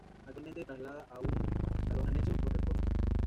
Actualmente trasladada a un salón anexo, por reformas.